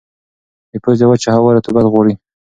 د پوزې وچه هوا رطوبت غواړي.